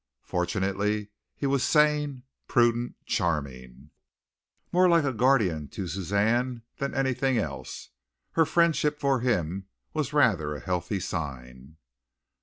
Fortunately he was sane, prudent, charming, more like a guardian to Suzanne than anything else. Her friendship for him was rather a healthy sign.